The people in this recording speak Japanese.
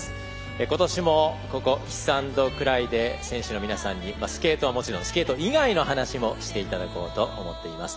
今年も、ここキスアンドクライで選手の皆さんにスケートはもちろんスケート以外のお話もしていただこうと思っています。